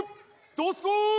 どすこい！